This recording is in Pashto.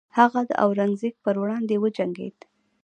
هغه د اورنګزیب پر وړاندې وجنګید.